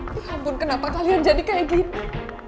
ya ampun kenapa kalian jadi kayak gini